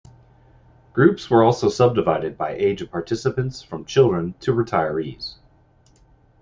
Groups were also subdivided by age of participants, from children to retirees.